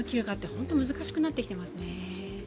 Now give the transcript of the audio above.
本当に難しくなってきてますね。